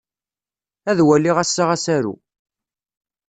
Ad waliɣ ass-a asaru.